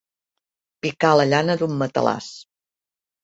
Picar la llana d'un matalàs.